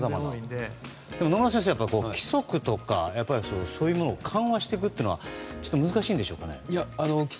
野村先生、規則とかそういうものを緩和していくのは難しいんでしょうかね。